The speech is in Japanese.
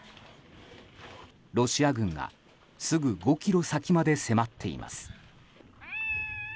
ロシア軍がすぐ５ｋｍ先まで迫っています。